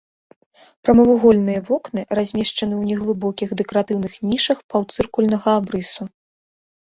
Прамавугольныя вокны размешчаны ў неглыбокіх дэкаратыўных нішах паўцыркульнага абрысу.